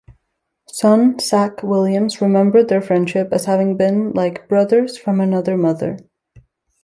Son Zak Williams remembered their friendship as having been like "brothers from another mother".